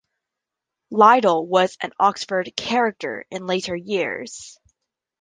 Liddell was an Oxford "character" in later years.